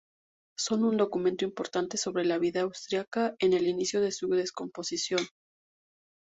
Son un documento importante sobre la vida austriaca en el inicio de su descomposición.